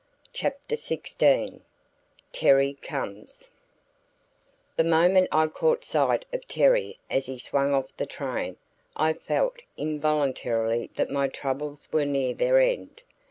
CHAPTER XVI TERRY COMES The moment I caught sight of Terry as he swung off the train I felt involuntarily that my troubles were near their end.